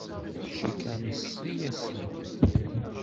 Cikkeɣ nesri-asen.